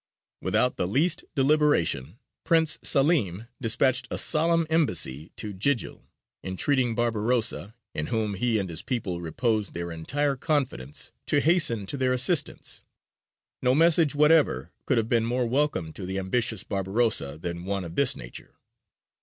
"Without the least deliberation Prince Salim despatched a solemn embassy to Jījil, intreating Barbarossa, in whom he and his people reposed their entire confidence, to hasten to their assistance. No message whatever could have been more welcome to the ambitious Barbarossa than one of this nature.